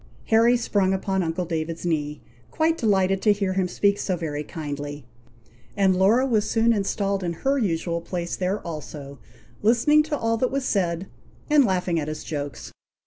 Harry sprung upon uncle David's knee, quite delighted to hear him speak so very kindly, and Laura was soon installed in her usual place there also, listening to all that was said, and laughing at his jokes.